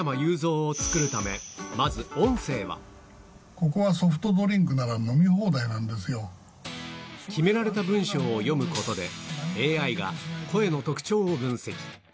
ここはソフトドリンクなら飲決められた文章を読むことで、ＡＩが声の特徴を分析。